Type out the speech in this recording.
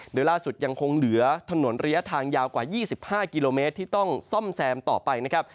โดยล่าสุดยังคงเหลือถนนระยะทางยาวกว่า๒๕กิโลเมตรที่ต้องซ่อมแซมต่อไปนะครับ